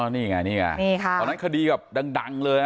นี่ไงนี่ไงตอนนั้นคดีแบบดังเลย